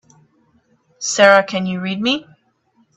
Sara can you read me?